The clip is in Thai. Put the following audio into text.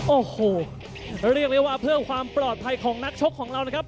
โอ้โหเรียกได้ว่าเพื่อความปลอดภัยของนักชกของเรานะครับ